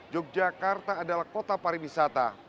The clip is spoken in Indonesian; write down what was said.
yogyakarta adalah kota pariwisata